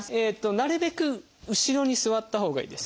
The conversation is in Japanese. なるべく後ろに座ったほうがいいです。